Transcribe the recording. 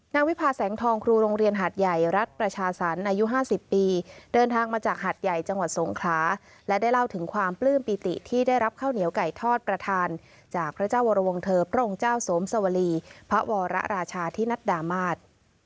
วิพาแสงทองครูโรงเรียนหาดใหญ่รัฐประชาสรรค์อายุ๕๐ปีเดินทางมาจากหัดใหญ่จังหวัดสงขลาและได้เล่าถึงความปลื้มปิติที่ได้รับข้าวเหนียวไก่ทอดประธานจากพระเจ้าวรวงเธอพระองค์เจ้าสวมสวรีพระวรราชาธินัดดามาศ